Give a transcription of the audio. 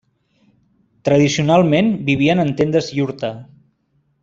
Tradicionalment vivien en tendes iurta.